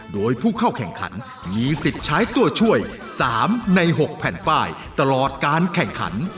โดยผู้เข้าแข่งขันมีสิทธิ์ใช้ตัวช่วย๓ใน๖แผ่นป้ายตลอดการแข่งขัน